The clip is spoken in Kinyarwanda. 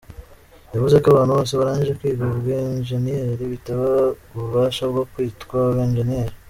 Yavuze ko abantu bose barangije kwiga ubwenjeniyeri, bitabaha ububasha bwo kwitwa abenjeniyeri.